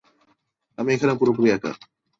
আমি এখানে পুরোপুরি একা।